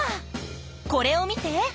これを見て！